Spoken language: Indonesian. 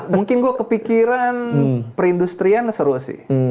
mungkin gue kepikiran perindustrian seru sih